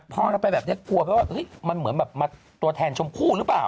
พอเราไปแบบนี้กลัวไหมว่ามันเหมือนแบบมาตัวแทนชมพู่หรือเปล่า